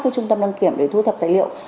các trung tâm đăng kiểm để thu thập tài liệu